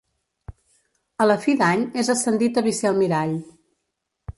A la fi d'any és ascendit a vicealmirall.